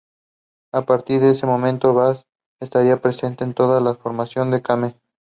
A partir de este momento, Bass estaría presente en todas las formaciones de Camel.